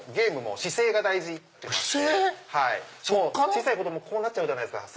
小さい子供こうなっちゃうじゃないですか。